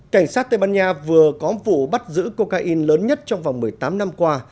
cảnh sát tây ban nha vừa có vụ bắt giữ cocaine lớn nhất trong vòng một mươi tám năm qua